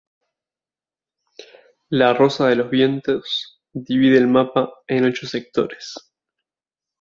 La rosa de los vientos divide el mapa en ocho sectores.